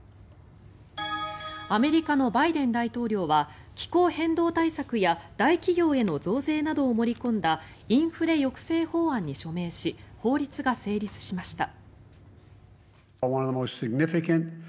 アメリカのバイデン大統領は気候変動対策や大企業への増税などを盛り込んだインフレ抑制法案に署名し法律が成立しました。